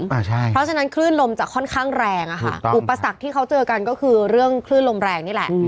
เพราะฉะนั้นคลื่นลมจะค่อนข้างแรงอะค่ะอุปสรรคที่เขาเจอกันก็คือเรื่องคลื่นลมแรงนี่แหละ